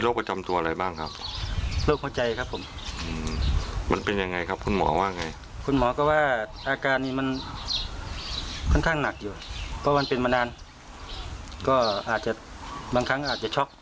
ก็อาจจะบางครั้งอาจจะช็อก